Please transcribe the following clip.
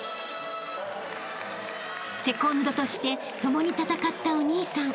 ［セコンドとして共に戦ったお兄さん］